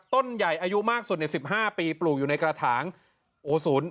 ต้นใหญ่อายุมากสุดใน๑๕ปีปลูกอยู่ในกระถางโอ้ศูนย์